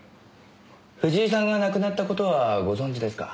藤井さんが亡くなった事はご存じですか？